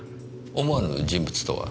思わぬ人物とは？